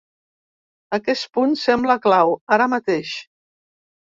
Aquest punt sembla clau, ara mateix.